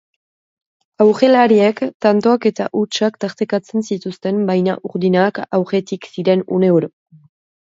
Aurrelariek tantoak eta hutsak tartekatzen zituzten baina urdinak aurretik ziren une oro.